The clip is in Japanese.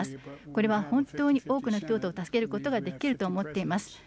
これは本当に多くの人々を助けることができると思っています。